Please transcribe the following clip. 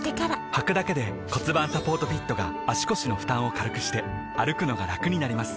はくだけで骨盤サポートフィットが腰の負担を軽くして歩くのがラクになります